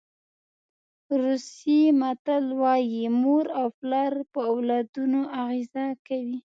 روسي متل وایي مور او پلار په اولادونو اغېزه کوي.